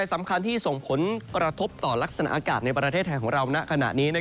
สำคัญที่ส่งผลกระทบต่อลักษณะอากาศในประเทศไทยของเราณขณะนี้